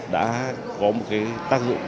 đã có một cái tác dụng